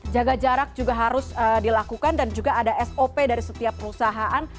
jaga jarak juga harus dilakukan dan juga ada sop dari setiap perusahaan